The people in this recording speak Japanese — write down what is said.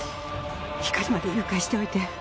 ひかりまで誘拐しておいて。